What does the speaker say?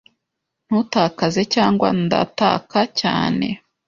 Ntutakaze, cyangwa ndataka cyane.